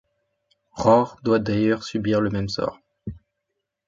Rohr doit d'ailleurs subir le même sort.